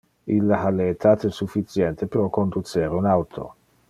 Ille ha le etate sufficiente pro conducer un auto.